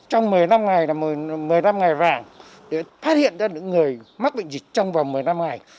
trong một mươi năm ngày là một mươi năm ngày vàng để phát hiện ra những người mắc bệnh dịch trong vòng một mươi năm ngày